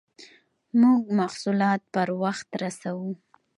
موږ محصولات پر وخت رسوو.